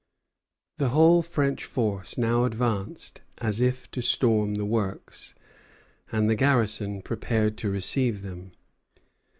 The whole French force now advanced as if to storm the works, and the garrison prepared to receive them.